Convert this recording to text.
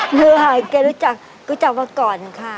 หนูมาหาแกรู้จักก็จับมาก่อนค่ะ